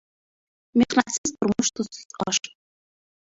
Mehnatsiz turmush — tuzsiz osh.